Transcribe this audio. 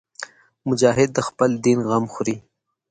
مجاهد د خپل دین غم خوري.